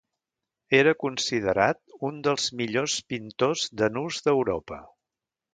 Era considerat un dels millors pintors de nus d'Europa.